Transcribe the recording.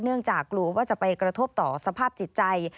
กลัวว่าจะไปกระทบต่อสภาพจิตใจ